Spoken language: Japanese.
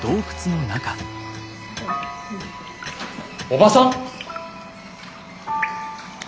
おばさん！？